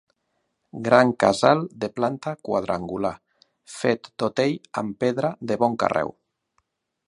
Gran casal de planta quadrangular, fet tot ell en pedra de bon carreu.